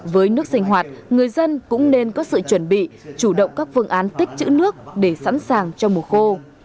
với nước sinh hoạt người dân cũng nên có sự chuẩn bị chủ động các phương án tích chữ nước để sẵn sàng cho mùa khô